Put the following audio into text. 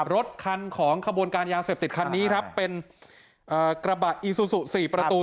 รถคันของขบวนการยาเสพติดคันนี้ครับเป็นกระบะอีซูซู๔ประตู